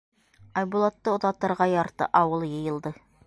Айбулатты оҙатырға ярты ауыл йыйылды.